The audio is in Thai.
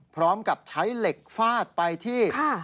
พร้อมกับใช้เหล็กฟาดไปที่